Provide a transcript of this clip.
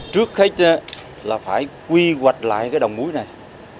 trước khách là phải quy hoạch lại đồng muối sa huỳnh